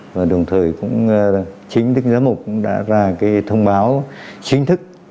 và đồng thời cũng chính thức giám mục cũng đã ra cái thông báo chính thức